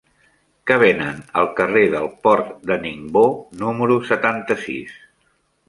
Què venen al carrer del Port de Ningbo número setanta-sis?